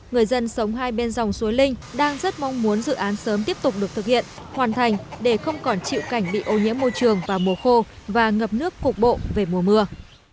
người dân sống hai bên dòng suối linh đang rất mong muốn dự án sớm tiếp tục được thực hiện hoàn thành để không còn chịu cảnh bị ô nhiễm môi trường vào mùa khô và ngập nước cục bộ về mùa mưa